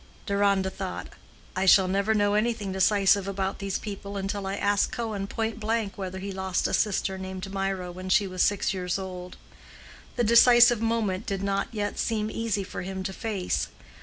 Deronda thought, "I shall never know anything decisive about these people until I ask Cohen pointblank whether he lost a sister named Mirah when she was six years old." The decisive moment did not yet seem easy for him to face.